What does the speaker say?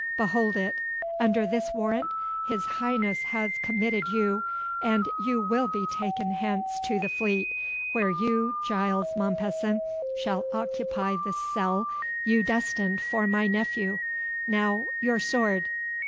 Behold it. Under this warrant his Highness has committed you, and you will be taken hence to the Fleet, where you, Giles Mompesson, shall occupy the cell you destined for my nephew! Now, your sword."